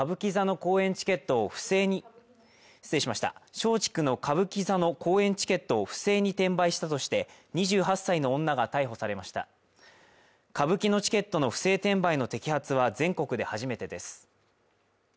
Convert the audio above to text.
松竹の歌舞伎座の公演チケットを不正に転売したとして２８歳の女が逮捕されました歌舞伎のチケットの不正転売の摘発は全国で初めてです